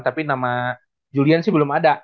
tapi nama julian sih belum ada